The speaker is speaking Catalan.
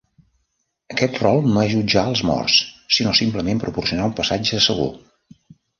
Aquest rol no és jutjar els morts, sinó simplement proporcionar un passatge segur.